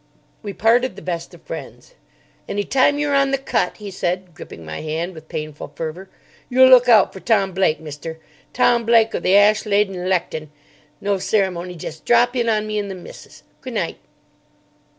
We parted the best of friends. "Any time you're on the Cut," he said, gripping my hand with painful fervour, "you look out for Tom Blake, mister. Tom Blake of the Ashlade and Lechton. No ceremony. Jest drop in on me and the missis. Goo' night."